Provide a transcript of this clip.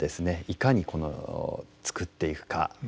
いかに作っていくか。